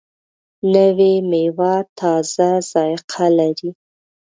نوې میوه تازه ذایقه لري